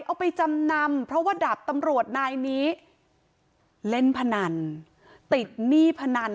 เอาไปจำนำเพราะว่าดาบตำรวจนายนี้เล่นพนันติดหนี้พนัน